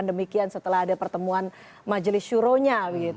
juga mengatakan demikian setelah ada pertemuan majelis syuronya